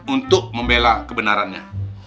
untuk membela kebenarannya